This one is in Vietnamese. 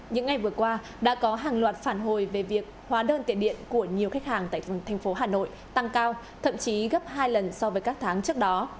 những ngày vừa qua đã có hàng loạt phản hồi về việc hóa đơn tiền điện của nhiều khách hàng tại thành phố hà nội tăng cao thậm chí gấp hai lần so với các tháng trước đó